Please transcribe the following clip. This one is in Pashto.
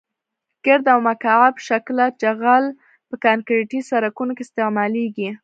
ګرد او مکعب شکله جغل په کانکریټي سرکونو کې استعمالیږي